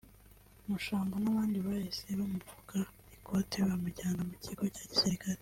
Mushambo n’abandi bahise bamupfuka ikoti bamujyana mu kigo cya gisirikare